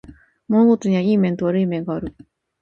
物事にはいい面と悪い面がある